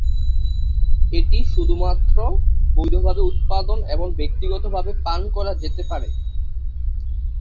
এটি শুধুমাত্র বৈধভাবে উৎপাদন এবং ব্যক্তিগতভাবে পান করা যেতে পারে।